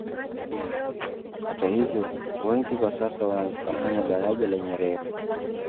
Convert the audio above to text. Hata hivyo wengi kwa sasa wanalifahamu Daraja la Nyerere